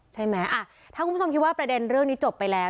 ใช่ไหมถ้าคุณผู้ชมคิดว่าประเด็นเรื่องนี้จบไปแล้ว